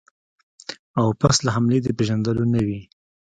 او پس له حملې د پېژندلو نه وي.